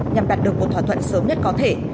nhằm đạt được một thỏa thuận sớm nhất có thể